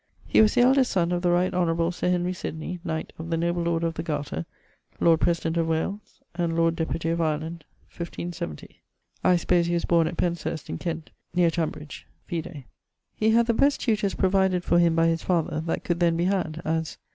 He was the eldest son of the right honourable Sir Henry Sydney, knight of the noble order of the Garter, Lord President of Wales, and Lord Deputie of Ireland, 1570. I suppose he was borne at Penshurst in Kent (neer Tunbridge); vide. He had the best tutors provided for him by his father that could then be had, as